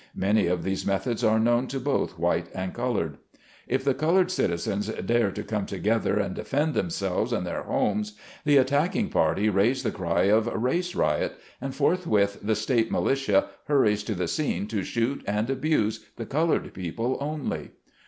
Many of these methods are known to both white and colored. If the colored citizens dare to come together and defend themselves and their homes, the attacking party raise the cry of "Race Riot", and forthwith the state militia hurries to the scene to shoot and abuse the colored people only.